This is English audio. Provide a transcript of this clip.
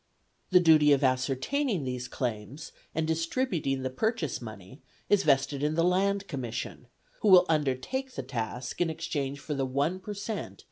The duty of ascertaining these claims and distributing the purchase money is vested in the Land Commission, who undertake the task in exchange for the 1 per cent.